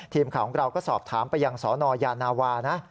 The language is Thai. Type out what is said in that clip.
ทีมข่าวของเราก็สอบถามไปยังสนยานาวานะ